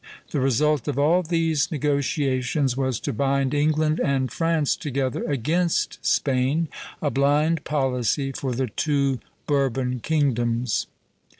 The result of all these negotiations was to bind England and France together against Spain, a blind policy for the two Bourbon kingdoms.